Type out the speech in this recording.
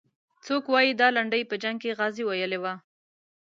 څوک وایي دا لنډۍ په جنګ کې غازي ویلې وه.